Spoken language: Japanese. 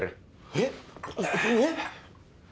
えっ？えっ！？